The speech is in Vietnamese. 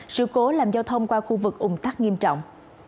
sự cố làm giao thông qua khu vực ủng tắc nghiêm trọng